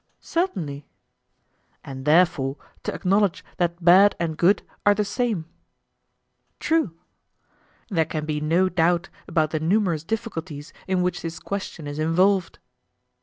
Certainly. And therefore to acknowledge that bad and good are the same? True. There can be no doubt about the numerous difficulties in which this question is involved.